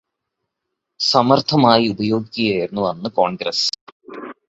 സമര്ത്ഥമായി ഉപയോഗിക്കുകയായിരുന്നു അന്ന് കോണ്ഗ്രസ്സ്.